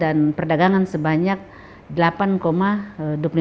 aspek perdagangan menjadi sumber pertumbuhan pdr bertertinggi